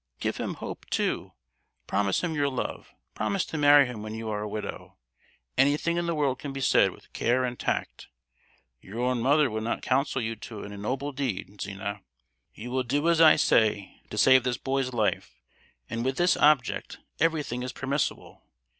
"Give him hope, too! Promise him your love; promise to marry him when you are a widow! Anything in the world can be said with care and tact! Your own mother would not counsel you to an ignoble deed, Zina. You will do as I say, to save this boy's life; and with this object, everything is permissible!